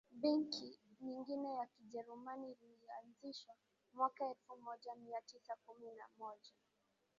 benki nyingine ya kijerumani ilianzishwa mwaka elfu mona mia tisa kumi na moja